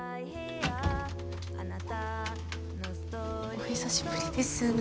お久しぶりです。